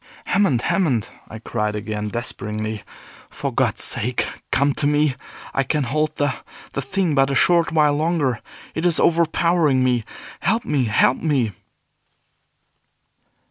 "Hammond! Hammond!" I cried again, despairingly, "for God's sake come to me. I can hold the the thing but a short while longer. It is overpowering me. Help me! Help me!"